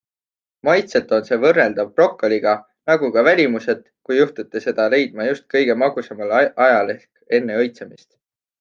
Maitselt on see võrreldav brokoliga - nagu ka välimuselt, kui juhtute seda leidma just kõige magusamal ajal ehk enne õitsemist.